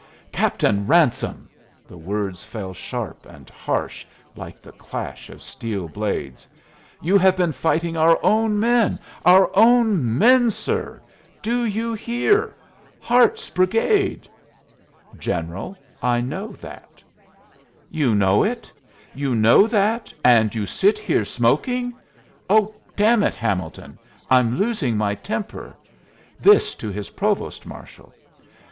"Captain Ransome!" the words fell sharp and harsh, like the clash of steel blades "you have been fighting our own men our own men, sir; do you hear? Hart's brigade!" "General, I know that." "You know it you know that, and you sit here smoking? Oh, damn it, Hamilton, I'm losing my temper," this to his provost marshal.